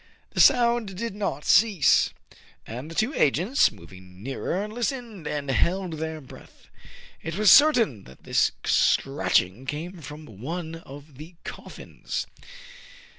The sound did not cease. And the two agents, moving nearer, listened, and held their breath. It was certain that this scratching came from one of the coffins.